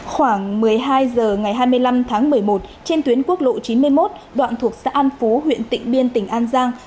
khoảng một mươi hai h ngày hai mươi năm tháng một mươi một trên tuyến quốc lộ chín mươi một đoạn thuộc xã an phú huyện tịnh biên tỉnh an giang